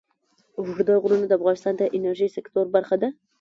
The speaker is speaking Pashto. اوږده غرونه د افغانستان د انرژۍ سکتور برخه ده.